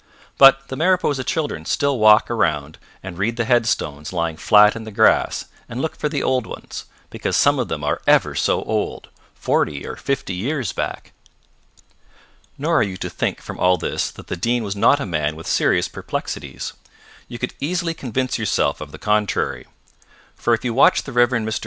But the Mariposa children still walk round and read the headstones lying flat in the grass and look for the old ones, because some of them are ever so old forty or fifty years back. Nor are you to think from all this that the Dean was not a man with serious perplexities. You could easily convince yourself of the contrary. For if you watched the Rev. Mr.